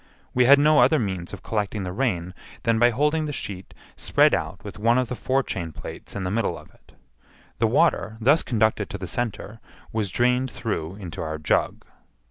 We had no other means of collecting the rain than by holding the sheet spread out with one of the forechain plates in the middle of it. The water, thus conducted to the centre, was drained through into our jug.